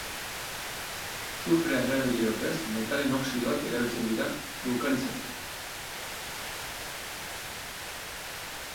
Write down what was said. Sufrea erabili ordez metalen oxidoak erabiltzen dira bulkanizatzeko.